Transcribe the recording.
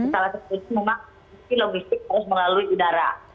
salah satu itu memang logistik harus melalui udara